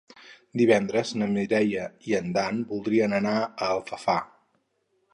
Divendres na Mireia i en Dan voldrien anar a Alfafar.